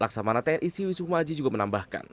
laksamana tni siwi sukma aji juga menambahkan